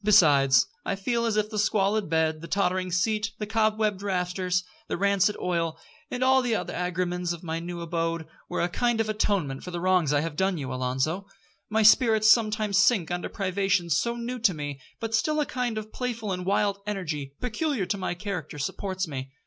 Besides, I feel as if the squalid bed, the tottering seat, the cobwebbed rafters, the rancid oil, and all the other agremens of my new abode, were a kind of atonement for the wrongs I have done you, Alonzo. My spirits sometimes sink under privations so new to me, but still a kind of playful and wild energy, peculiar to my character, supports me.